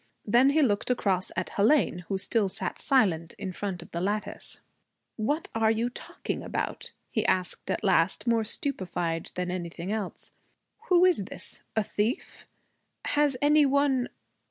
Then he looked across at Hélène, who still sat silent in front of the lattice. 'What are you talking about?' he asked at last, more stupefied than anything else. 'Who is it? A thief? Has any one